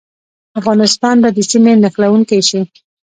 افغانستان به د سیمې نښلونکی شي؟